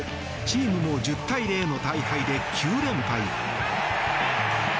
チームも１０対０の大敗で９連敗。